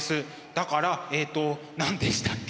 だからえっと何でしたっけ？